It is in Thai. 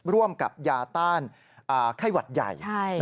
ร่วมกับยาต้านไข้หวัดใหญ่